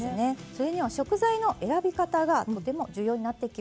それには食材の選び方がとても重要になってきます。